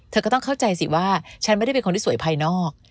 เธอก็ต้องเข้าใจสิว่าฉันไม่ได้เป็นคนที่สวยภายนอก